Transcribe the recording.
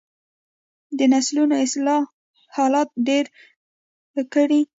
د نسلونو اصلاح حاصلات ډیر کړي.